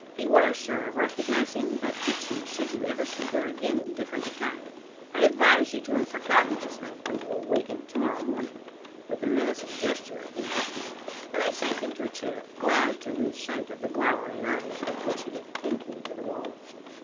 Be ware, sir, of recognising that gypsy should you ever see her again in different attire. I advise you to have forgotten this night when you waken to morrow morn ing." With a menacing gesture he left me, and I sank into a chair, glad to lose sight of the glowering eyes with which he had pinned me to the wall.